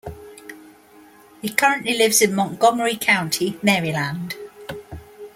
He currently lives in Montgomery County, Maryland.